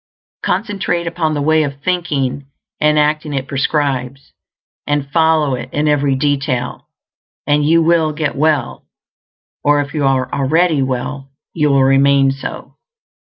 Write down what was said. Concentrate upon the way of thinking and acting it prescribes, and follow it in every detail, and you will get well; or if you are already well, you will remain so.